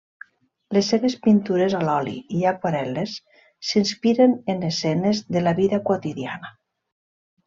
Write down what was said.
Les seves pintures a l'oli i aquarel·les s'inspiren en escenes de la vida quotidiana.